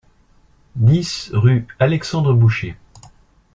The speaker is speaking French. dix rue Alexandre Boucher